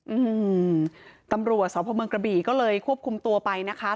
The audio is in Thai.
อืมตำรวจสพเมืองกระบี่ก็เลยควบคุมตัวไปนะคะ